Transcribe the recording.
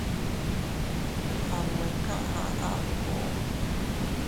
Anwe kaʼa akuu.